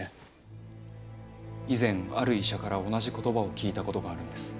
以前ある医者から同じ言葉を聞いたことがあるんです。